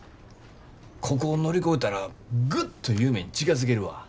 ここを乗り越えたらグッと夢に近づけるわ。